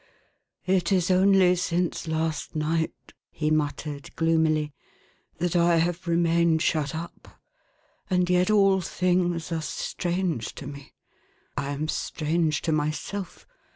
" It is only since last night," he muttered gloomily, " that I have remained shut up, and yet all things are strange to me. I am strange to myself.